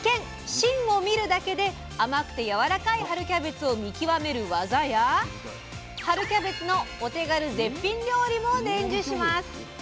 芯を見るだけで甘くてやわらかい春キャベツを見極める技や春キャベツのお手軽絶品料理も伝授します！